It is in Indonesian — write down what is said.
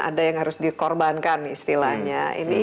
ada yang harus dikorbankan istilahnya